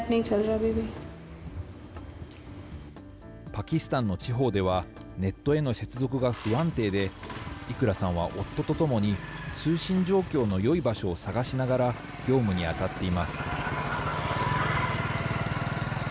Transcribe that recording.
パキスタンの地方では、ネットへの接続が不安定で、イクラさんは夫と共に通信状況のよい場所を探しながら業務に当たっています。